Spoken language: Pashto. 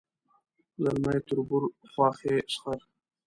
ځلمی تربور خواښې سخر